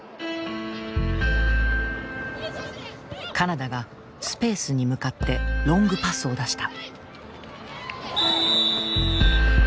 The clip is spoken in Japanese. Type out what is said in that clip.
カナダがスペースに向かってロングパスを出した。